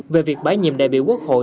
về việc bái nhiệm đại biểu quốc hội